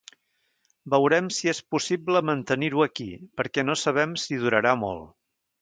Veurem si és possible mantenir-ho aquí, perquè no sabem si durarà molt.